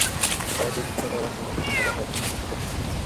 কড়াইতে ভুট্টা দেওয়ার পর যখন ভাজা হয়, - তখন প্রচুর শব্দ করে।